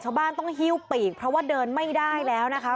ชาวบ้านต้องหิ้วปีกเพราะว่าเดินไม่ได้แล้วนะคะ